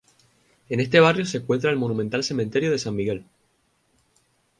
En este barrio se encuentra el monumental cementerio de San Miguel.